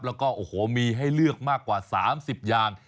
แล้วก็โอ้โหมีให้เลือกมากกว่า๓๐อย่าง